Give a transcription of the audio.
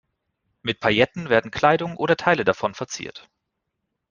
Mit Pailletten werden Kleidung oder Teile davon verziert.